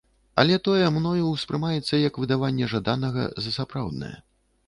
Але тое мною ўспрымаецца як выдаванне жаданага за сапраўднае.